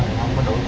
thì không có đủ tiền